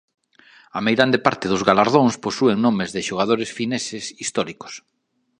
A meirande parte dos galardóns posúen nomes de xogadores fineses históricos.